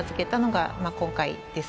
が今回です